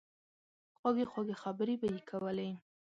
خوږې خوږې خبرې به ئې کولې